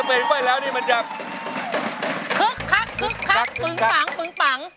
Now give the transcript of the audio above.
ร้องได้ให้ร้าน